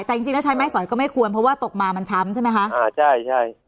แต่จริงจริงแล้วใช้ไม้สอยก็ไม่ควรเพราะว่าตกมามันช้ำใช่ไหมคะอ่าใช่ใช่